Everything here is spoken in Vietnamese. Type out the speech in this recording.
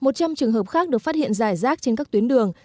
một trăm linh trường hợp khác được phát hiện giải rác trên các tuyến đường